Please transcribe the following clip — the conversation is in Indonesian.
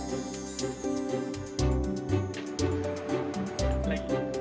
sebelum itu kamu bisa terselyak sama aku